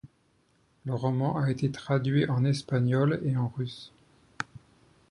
Le roman a été traduit en espagnol et en russe.